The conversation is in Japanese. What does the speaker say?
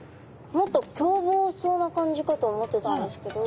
もっと凶暴そうな感じかと思ってたんですけど。